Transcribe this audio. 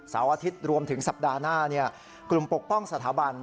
อาทิตย์รวมถึงสัปดาห์หน้ากลุ่มปกป้องสถาบัน